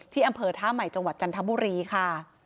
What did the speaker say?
อำเภอท่าใหม่จังหวัดจันทบุรีค่ะ